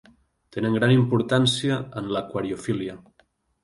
Tenen gran importància en l'aquariofília.